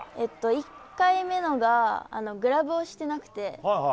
１回目のがグラブをしてなくて。